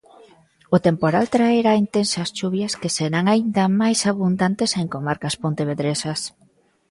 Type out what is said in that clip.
O temporal traerá intensas chuvias, que serán aínda máis abundantes en comarcas pontevedresas.